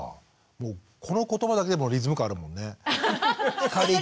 もうこの言葉だけでもリズム感あるもんね。